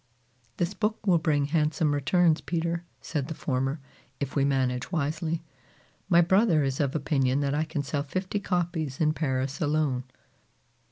"This book will bring handsome returns, Peter," said the former, "if we manage wisely. My brother is of opinion that I can sell fifty copies in Paris alone!"